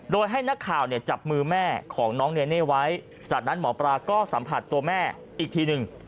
โดยให้นักข่าวเนี่ยจับมือแม่ของน้องเนเน่ไว้จากนั้นหมอปลาก็สัมผัสตัวแม่อีกทีหนึ่ง